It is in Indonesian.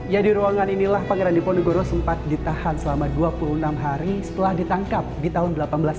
ya di ruangan inilah pangeran diponegoro sempat ditahan selama dua puluh enam hari setelah ditangkap di tahun seribu delapan ratus tiga puluh